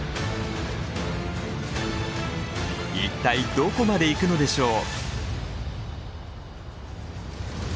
一体どこまで行くのでしょう？